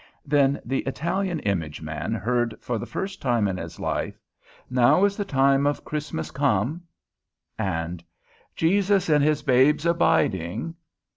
Then the Italian image man heard for the first time in his life "Now is the time of Christmas come," and "Jesus in his babes abiding."